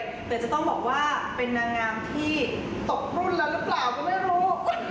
แต่จะต้องบอกว่าเป็นนางงามที่ตกรุ่นแล้วหรือเปล่าก็ไม่รู้